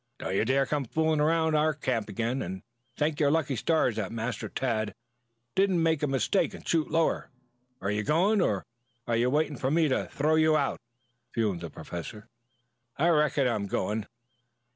"Don't you dare come fooling around our camp again, and thank your lucky stars that Master Tad didn't make a mistake and shoot lower. Are you going, or are you waiting for me to throw you out?" fumed the Professor. "I reckon I'm going.